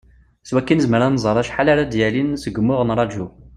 S wakka i nezmer ad nẓer acḥal ara d-yalin seg wumuɣ n uraju.